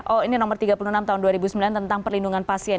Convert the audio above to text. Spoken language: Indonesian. oh ini nomor tiga puluh enam tahun dua ribu sembilan tentang perlindungan pasien